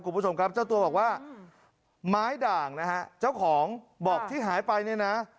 คุณผู้ชมครับเจ้าตัวบอกว่าไม้ด่างนะฮะเจ้าของบอกที่หายไปเนี่ยนะ